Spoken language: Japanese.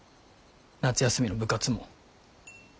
夏休みの部活も。